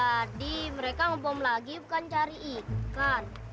jadi mereka ngebom lagi bukan cari ikan